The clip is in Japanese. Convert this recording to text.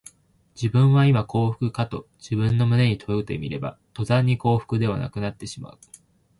自分はいま幸福かと自分の胸に問うてみれば、とたんに幸福ではなくなってしまう